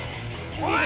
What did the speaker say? おい！